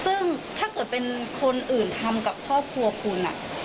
ซึ่งถ้าเกิดเป็นคนอื่นทำกับครอบครัวคุณ